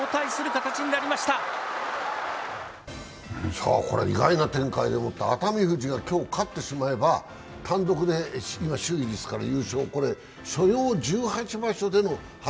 さあこれ、意外な展開でもって熱海富士が今日、勝ってしまえば単独で今、首位ですから、優勝。